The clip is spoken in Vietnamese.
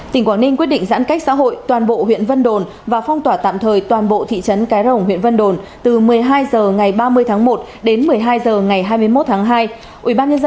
tỉnh quảng ninh quyết định giãn cách xã hội toàn bộ huyện vân đồn và phong tỏa tạm thời toàn bộ thị trấn cái rồng huyện vân đồn từ một mươi hai h ngày ba mươi tháng một đến một mươi hai h ngày hai mươi một tháng hai